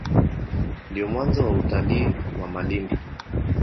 Ndio mwanzo wa utalii wa Malindi.